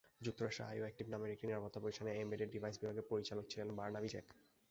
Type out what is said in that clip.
যুক্তরাষ্ট্রে আইওঅ্যাকটিভ নামের একটি নিরাপত্তা প্রতিষ্ঠানের এমবেডেড ডিভাইস বিভাগের পরিচালক ছিলেন বারনাবি জ্যাক।